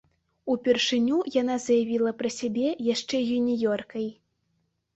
Упершыню яна заявіла пра сябе яшчэ юніёркай.